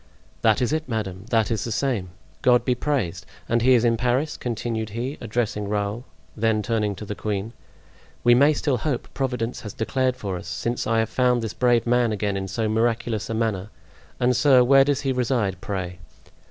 "That is it, madame, that is the same. God be praised! And he is in Paris?" continued he, addressing Raoul; then turning to the queen: "We may still hope. Providence has declared for us, since I have found this brave man again in so miraculous a manner. And, sir, where does he reside, pray?"